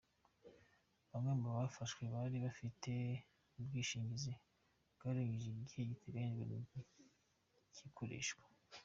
Bamwe mu bafashwe bari bafite ubwishingizi bwarengeje igihe giteganyijwe cy’ikoreshwa.